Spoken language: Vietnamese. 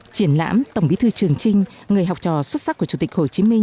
triển lãm tổng bí thư trường trinh người học trò xuất sắc của chủ tịch hồ chí minh